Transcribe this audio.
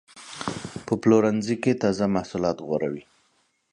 په پلورنځي کې تازه محصولات غوره وي.